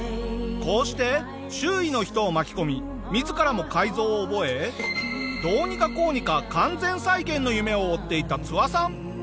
こうして周囲の人を巻き込み自らも改造を覚えどうにかこうにか完全再現の夢を追っていたツワさん。